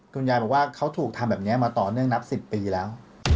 คุณยายบอกว่าเขาถูกทำแบบนี้มาต่อเนื่องนับ๑๐ปีแล้ว